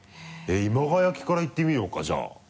今川焼きからいってみようかじゃあ。